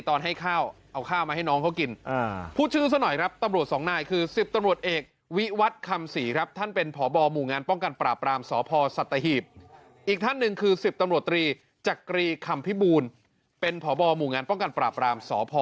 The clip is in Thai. ตอนให้ข้าวเอาข้าวมาให้น้องเขากินอ่า